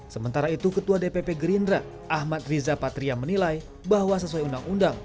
sementara itu ketua dpp gerindra ahmad riza patria menilai bahwa sesuai undang undang